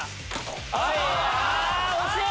あ惜しい！